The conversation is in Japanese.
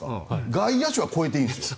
外野手は越えていいんです。